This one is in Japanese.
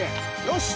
よし！